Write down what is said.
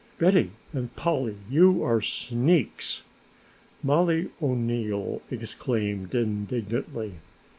"Betty and Polly, you are sneaks!" Mollie O'Neill exclaimed indignantly.